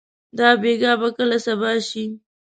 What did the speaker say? دا بېګا به کله صبا شي؟